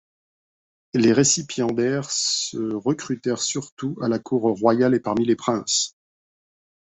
Les récipiendaires se recrutèrent surtout à la cour royale et parmi les princes.